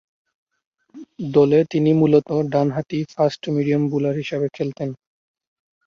দলে তিনি মূলতঃ ডানহাতি ফাস্ট মিডিয়াম বোলার হিসেবে খেলতেন।